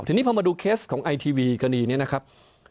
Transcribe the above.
ทีนี้พอมาดูเคสของไอทีวีกรณีนี้นะครับ